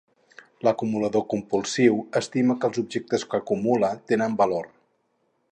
L'acumulador compulsiu estima que els objectes que acumula tenen valor.